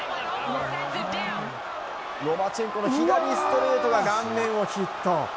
ロマチェンコの左ストレートが顔面をヒット。